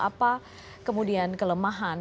apa kemudian kelemahan